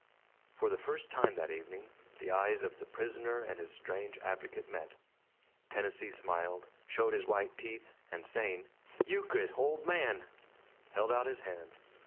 For the first time that evening the eyes of the prisoner and his strange advocate met. Tennessee smiled, showed his white teeth, and, saying, "Euchred, old man!" held out his hand.